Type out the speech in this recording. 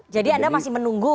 jadi anda masih menunggu